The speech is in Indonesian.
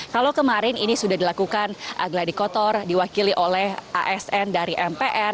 kalau kemarin ini sudah dilakukan gladi kotor diwakili oleh asn dari mpr